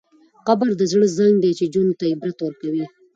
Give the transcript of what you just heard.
قبر د زړه زنګ دی چې ژوند ته عبرت ورکوي.